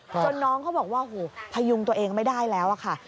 น้องเขาบอกว่าพยุงตัวเองไม่ได้แล้วค่ะ